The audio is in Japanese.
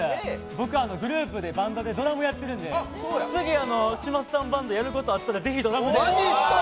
僕はグループでバンドでドラムやってるんで次に嶋佐さんバンドをやることがあったら、ぜひドラムで。